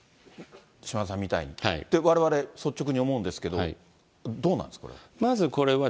島田さんみたいに、ってわれわれ率直に思うんですけど、どうなんです、これは。